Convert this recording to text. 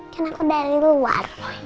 kan aku dari luar